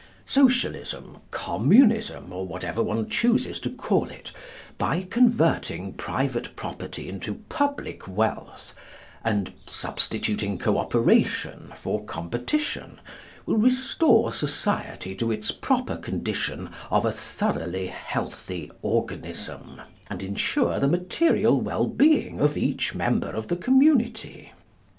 Socialism, Communism, or whatever one chooses to call it, by converting private property into public wealth, and substituting co operation for competition, will restore society to its proper condition of a thoroughly healthy organism, and insure the material well being of each member of the community.